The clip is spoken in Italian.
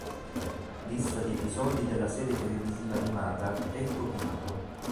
Lista di episodi della serie televisiva animata Ecco Pippo!.